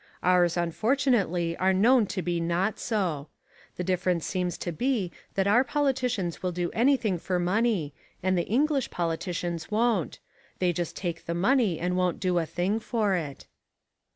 Ours unfortunately are known to be not so. The difference seems to be that our politicians will do anything for money and the English politicians won't; they just take the money and won't do a thing for it.